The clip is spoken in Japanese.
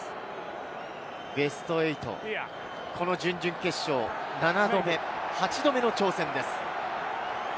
ベスト８、この準々決勝、７度目、８度目の挑戦です。